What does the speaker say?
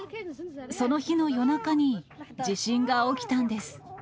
その日の夜中に地震が起きたんです。